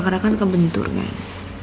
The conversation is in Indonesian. karena kan kebentur kan